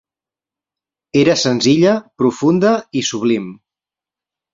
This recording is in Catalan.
Era senzilla, profunda i sublim.